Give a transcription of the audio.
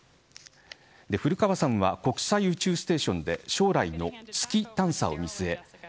古川さんは国際宇宙ステーションで将来の月探査を見据え